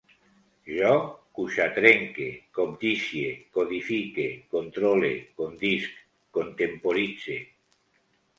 Jo cuixatrenque, cobdicie, codifique, controle, condisc, contemporitze